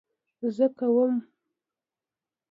زه کوم